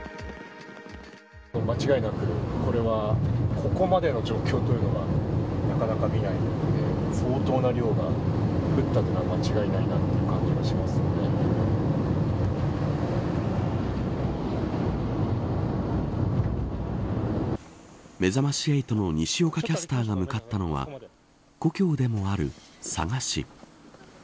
間違いなくここまでの状況というのはなかなか見ないので、相当な量が降ったというのはめざまし８の西岡キャスターが向かったのは故郷でもある佐賀市。